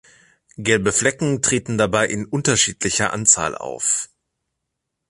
Gelbe Flecken treten dabei in unterschiedlicher Anzahl auf.